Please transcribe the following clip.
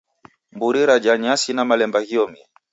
Mburi raja nyasi na malemba ghiomie.